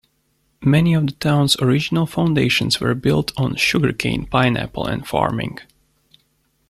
Many of the town's original foundations were built on sugarcane, pineapple and farming.